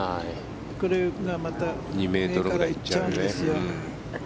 これがまた上から行っちゃうんですよ。